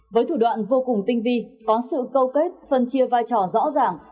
với thủ đoạn vô cùng tinh vi có sự câu kết phân chia vai trò rõ ràng